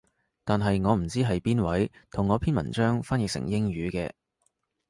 但係我唔知係邊位同我篇文章翻譯成英語嘅